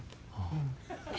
うん。